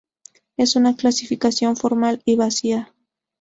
en una clasificación formal y vacía